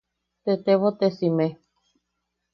Tettebotesime.